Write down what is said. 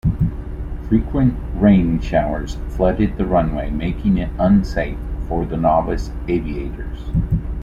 Frequent rain showers flooded the runway making it unsafe for the novice aviators.